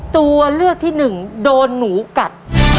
ตัวเลือกที่๑โดนหนูกัด